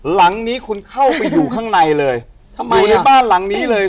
หลังนี้คุณเข้าไปอยู่ข้างในเลยทำไมอยู่ในบ้านหลังนี้เลย